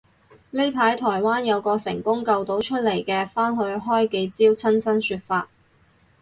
呢排台灣有個成功救到出嚟嘅返去開記招親身說法